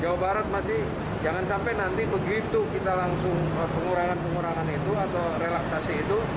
jawa barat masih jangan sampai nanti begitu kita langsung pengurangan pengurangan itu atau relaksasi itu